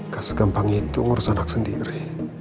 gak segampangnya itu ngurus anak sendiri